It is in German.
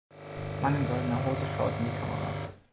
Mann in goldener Hose schaut in die Kamera.